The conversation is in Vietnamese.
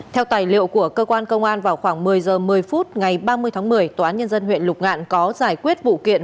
theo tài liệu của cơ quan công an vào khoảng một mươi h một mươi phút ngày ba mươi tháng một mươi tnhl có giải quyết vụ kiện